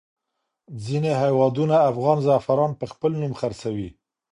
ځینې هېوادونه افغان زعفران په خپل نوم خرڅوي.